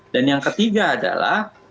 dan yang ketiga adalah